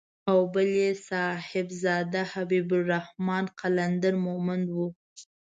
او بل يې صاحبزاده حبيب الرحمن قلندر مومند و.